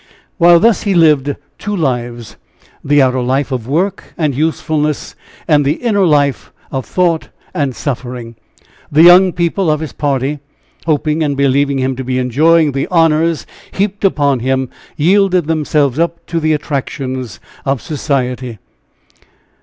While thus he lived two lives the outer life of work and usefulness, and the inner life of thought and suffering the young people of his party, hoping and believing him to be enjoying the honors heaped upon him, yielded themselves up to the attractions of society.